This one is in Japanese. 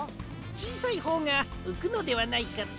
ちいさいほうがうくのではないかと。